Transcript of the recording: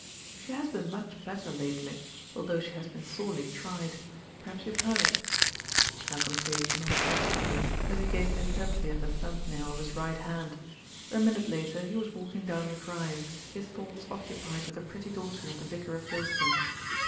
"She has been much better lately, although she has been sorely tried. Perhaps you have heard." Malcolm Sage nodded absently, as he gazed intently at the thumb nail of his right hand. A minute later he was walking down the drive, his thoughts occupied with the pretty daughter of the vicar of Gylston.